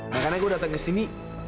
makanya gue datang ke sini